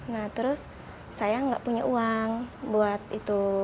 nah terus saya nggak punya uang buat itu